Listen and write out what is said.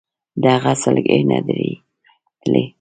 د هغه سلګۍ نه درېدلې.